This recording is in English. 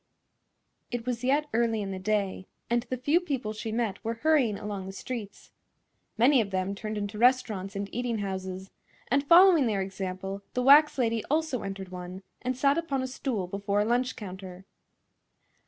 It was yet early in the day, and the few people she met were hurrying along the streets. Many of them turned into restaurants and eating houses, and following their example the wax lady also entered one and sat upon a stool before a lunch counter.